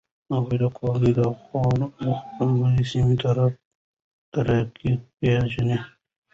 هغه د کورنۍ د خوړو د پخلي سمه طریقه پېژني.